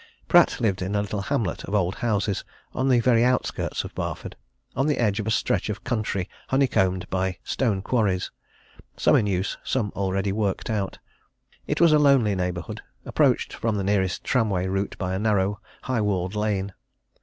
Pratt lived in a little hamlet of old houses on the very outskirts of Barford on the edge of a stretch of Country honeycombed by stone quarries, some in use, some already worked out. It was a lonely neighbourhood, approached from the nearest tramway route by a narrow, high walled lane.